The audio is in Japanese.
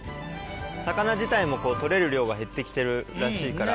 魚自体も取れる量が減ってきてるらしいから。